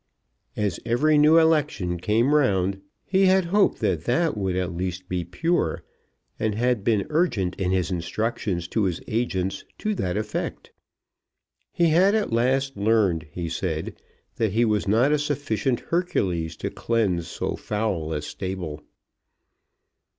As every new election came round, he had hoped that that would at least be pure, and had been urgent in his instructions to his agents to that effect. He had at last learned, he said, that he was not a sufficient Hercules to cleanse so foul a stable.